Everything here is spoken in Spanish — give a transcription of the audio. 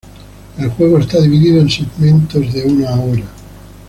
El juego está dividido en segmentos de una hora.